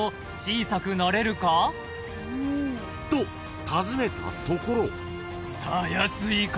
［と尋ねたところ］